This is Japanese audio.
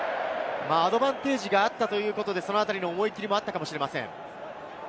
アドバンテージがあったということで、そのあたり思い切りもあったかもしれません。